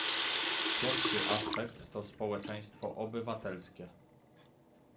Pierwszy aspekt to społeczeństwo obywatelskie